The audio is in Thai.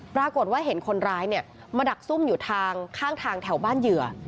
ปรากฏว่าเห็นคนร้ายเนี่ยมาดักซุ่มอยู่ทางข้างทางแถวบ้านเหยื่อ